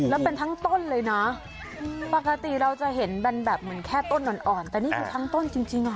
แล้วเป็นทั้งต้นเลยนะ